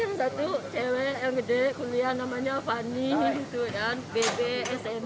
yang satu cewek yang gede kuliah namanya fani gitu kan